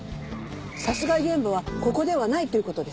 殺害現場はここではないという事ですか？